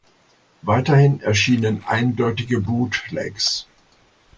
Weiterhin erschienen eindeutige Bootlegs.